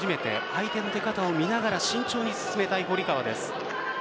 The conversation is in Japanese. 相手の出方を見ながら慎重に進めたい堀川です。